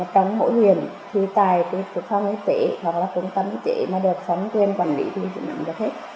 trong hội huyền thì tài phục hồi chức năng y tế hoặc là trung tâm y tế mà được phóng tiên quản lý thì cũng nắm được hết